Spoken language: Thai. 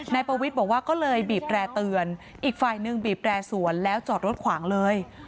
นายประวิทย์บอกว่าก็เลยบีบแร่เตือนอีกฝ่ายหนึ่งบีบแร่สวนแล้วจอดรถขวางเลย